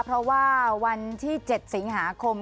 เพราะว่าวันที่๗สิงหาคม